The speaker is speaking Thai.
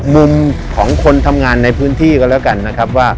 มุมของคนทำงานในพื้นที่กันแล้วกันนะครับว่า